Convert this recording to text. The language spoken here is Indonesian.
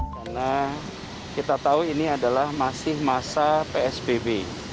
karena kita tahu ini adalah masih masa psbb